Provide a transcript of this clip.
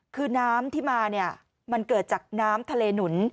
คือน้ำที่มาเนี่ยมันเกิดจากน้ำทะเลหนุน